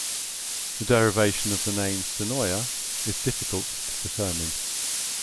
The derivation of the name "Senoia" is difficult to determine.